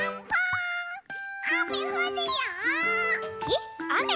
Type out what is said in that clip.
えっあめ？